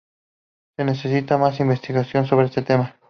Se necesita más investigación sobre este tema.